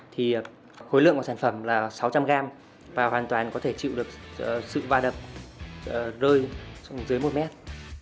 thì khối lượng của sản phẩm là sáu trăm linh gram và hoàn toàn có thể chịu được sự va đập rơi xuống dưới một mét